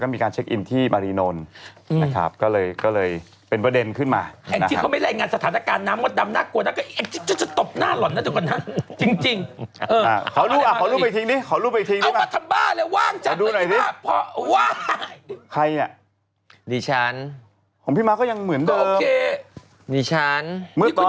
พี่มาร์คก็ยังเหมือนเดิม